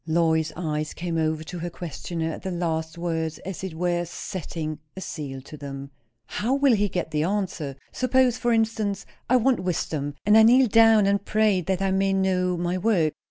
'" Lois's eyes came over to her questioner at the last words, as it were, setting a seal to them. "How will he get the answer? Suppose, for instance, I want wisdom; and I kneel down and pray that I may know my work.